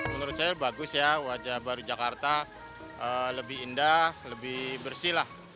menurut saya bagus ya wajah baru jakarta lebih indah lebih bersih lah